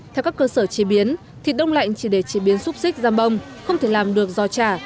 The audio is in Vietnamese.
theo các cơ sở chế biến thịt đông lạnh chỉ để chế biến xúc xích giam bông không thể làm được giò chả